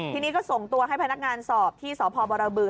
ทีนี้ก็ส่งตัวให้พนักงานสอบที่สพบรบือ